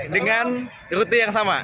dengan rute yang sama